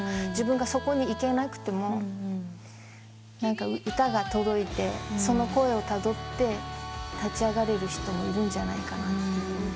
自分がそこにいけなくても歌が届いてその声をたどって立ち上がれる人もいるんじゃないかなっていう。